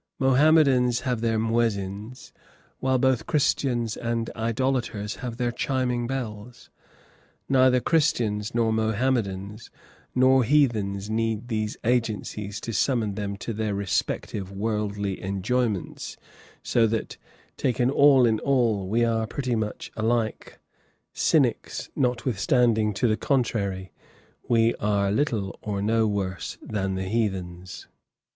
Mohammedans have their muezzins, while both Christians and idolaters have their chiming bells. Neither Christians, nor Mohammedans, nor heathens need these agencies to summon them to their respective worldly enjoyments, so that, taken all in all, we are pretty much alike cynics, notwithstanding, to the contrary, we are little or no worse than the heathens.